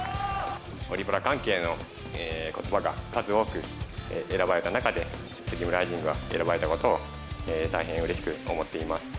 オリパラ関係のことばが数多く選ばれた中で、スギムライジングが選ばれたことを、大変うれしく思っています。